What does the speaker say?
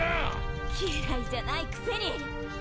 嫌いじゃないくせに。